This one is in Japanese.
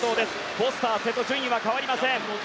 フォスター、瀬戸順位は変わりません。